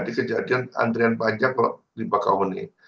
jadi kejadian antrian panjang di bakawuni